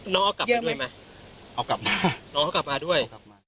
น้องเอากลับมาด้วยไหมเอากลับมาน้องเขากลับมาด้วยกลับมา